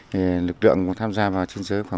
thì lực lượng cũng tham gia vào chương trình này